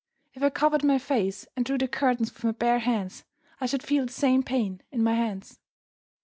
If I covered my face, and drew the curtains with my bare hands, I should feel the same pain in my hands.